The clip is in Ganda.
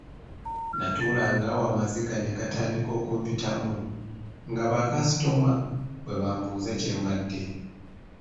Natuulanga awo amaziga ne gatandika okumpitamu nga ba kaasitoma bwe bambuuza kye mbadde.